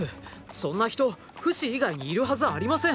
そんな人フシ以外にいるはずありません。